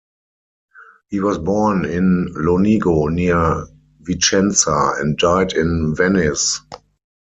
He was born in Lonigo near Vicenza, and died in Venice.